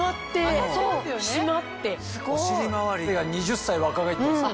お尻周りが２０歳若返ってます。